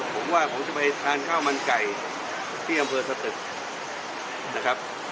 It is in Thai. ผมว่าผมจะไปทานข้าวมันไก่ที่อำเภิษฐศจรรยาตรึง